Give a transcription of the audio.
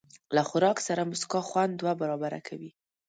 له خوراک سره موسکا، خوند دوه برابره کوي.